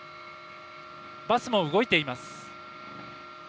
バスも動いています。